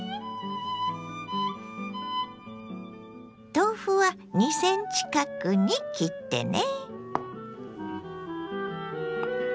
豆腐は２ｃｍ角に切ってね。